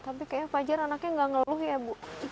tapi kayaknya pajar anaknya gak ngeluh ya bu